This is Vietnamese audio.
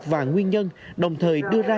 và nguyên nhân đồng thời đưa ra